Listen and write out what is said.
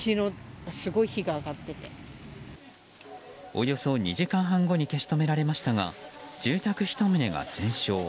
およそ２時間半後に消し止められましたが住宅１棟が全焼。